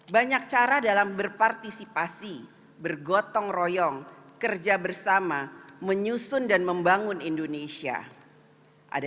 banyak cara dalam berpartisipasi bergotong royong kerja bersama menyusun dan membangun indonesia ada